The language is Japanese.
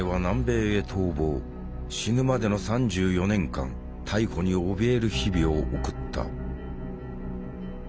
死ぬまでの３４年間逮捕におびえる日々を送った。